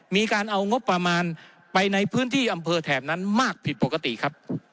มีการเอางบประมาณไปในพื้นที่อำเภอแถบนั้นมากผิดปกติครับ